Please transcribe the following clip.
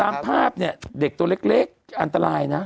ตามภาพเนี่ยเด็กตัวเล็กอันตรายนะ